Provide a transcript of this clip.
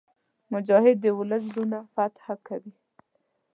مجاهد د ولس زړونه فتح کوي.